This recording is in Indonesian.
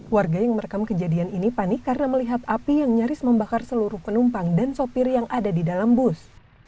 warga yang merekam kejadian ini panik karena melihat api yang nyaris membakar seluruh penumpang dan sopir yang ada di dalam bus